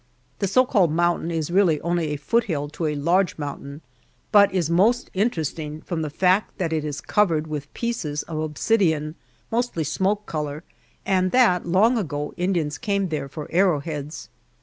The so called mountain is really only a foothill to a large mountain, but is most interesting from the fact that it is covered with pieces of obsidian, mostly smoke color, and that long ago Indians came there for arrowheads.